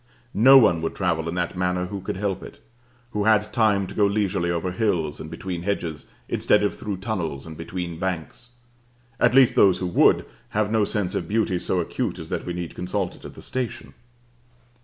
No one would travel in that manner who could help it who had time to go leisurely over hills and between hedges, instead of through tunnels and between banks: at least those who would, have no sense of beauty so acute as that we need consult it at the station.